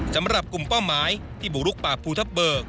สำหรับกลุ่มเป้าหมายที่บุกลุกป่าภูทับเบิก